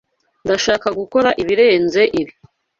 Ndashaka gukora ibirenze ibi.